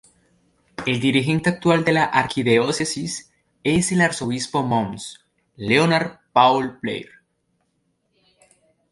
El dirigente actual de la Arquidiócesis es el Arzobispo Mons.Leonard Paul Blair.